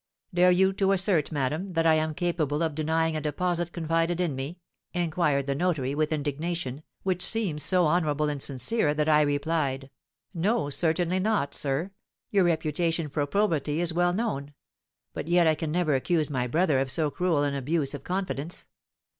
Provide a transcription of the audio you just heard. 'Dare you to assert, madame, that I am capable of denying a deposit confided in me?' inquired the notary, with indignation, which seemed so honourable and sincere that I replied, 'No, certainly not, sir; your reputation for probity is well known; but yet I can never accuse my brother of so cruel an abuse of confidence.'